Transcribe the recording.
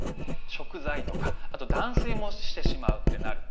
食材とか、あと断水もしてしまうってなると。